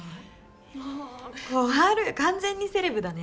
もう小春完全にセレブだね。